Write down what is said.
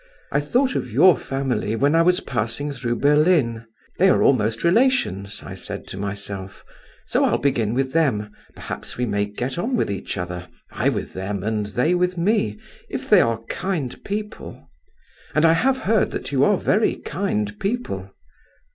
I thought of your family when I was passing through Berlin. 'They are almost relations,' I said to myself, 'so I'll begin with them; perhaps we may get on with each other, I with them and they with me, if they are kind people;' and I have heard that you are very kind people!"